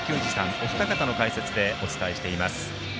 お二方の解説でお伝えしています。